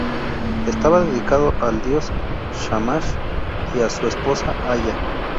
Estaba dedicado al dios Shamash y a su esposa Aya.